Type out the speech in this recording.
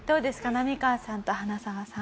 浪川さんと花澤さん。